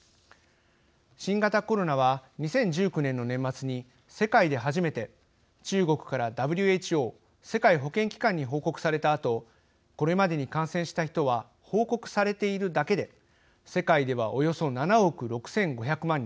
新型コロナは２０１９年の年末に世界で初めて中国からＷＨＯ世界保健機関に報告されたあとこれまでに感染した人は報告されているだけで世界ではおよそ７億６，５００万人。